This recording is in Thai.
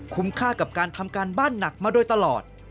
ค่ากับการทำการบ้านหนักมาโดยตลอด